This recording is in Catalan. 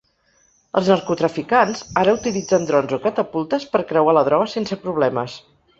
Els narcotraficants ara utilitzen drons o catapultes per creuar la droga sense problemes.